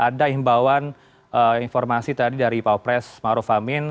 ada imbauan informasi tadi dari pawpres ma'ruf amin